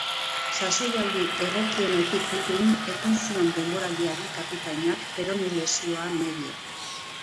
Sasoialdi egokienetik urrun ekin zion denboraldiari kapitainak perone-lesioa medio.